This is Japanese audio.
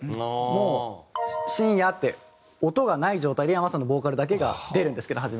「深夜」って音がない状態でｙａｍａさんのボーカルだけが出るんですけど初め。